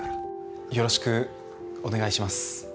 よろしくお願いします。